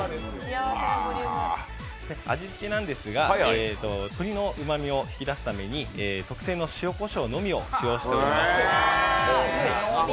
味付けなんですが、鶏のうまみを引き出すために特製の塩こしょうのみを使用しております。